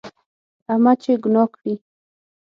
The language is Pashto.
احمد چې ګناه کړي،